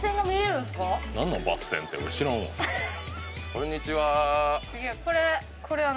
こんにちは。